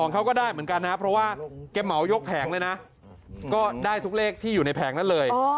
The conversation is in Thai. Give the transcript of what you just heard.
เขาก็ได้เหมือนกันนะเพราะว่าแกเหมายกแผงเลยนะก็ได้ทุกเลขที่อยู่ในแผงนั้นเลย